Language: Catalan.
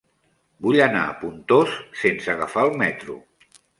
Vull anar a Pontós sense agafar el metro.